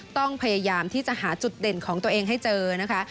ต้องพยายามที่จะหาจุดเด่นของตัวเองให้เจอนะคะ